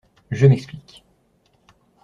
Je m’explique.